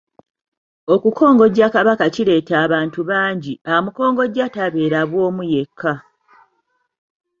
Okukongojja Kabaka kireeta abantu bangi, amukongojja tabeera bw'omu yekka.